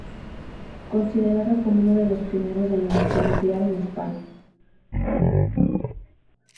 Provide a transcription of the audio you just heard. Considerado como uno de los pioneros de la energía nuclear en España.